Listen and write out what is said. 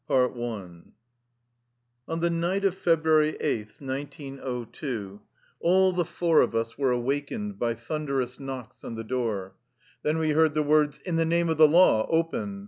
56 Ill ON the night of February 8, 1902, all the four of us were awakened by thunderous knocks on the door. Then we heard the words, " In the name of the law : open